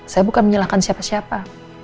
saya bukan menyalahkan siapa siapa